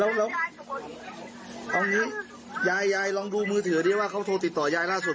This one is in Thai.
แล้วเอางี้ยายยายลองดูมือถือดิว่าเขาโทรติดต่อยายล่าสุด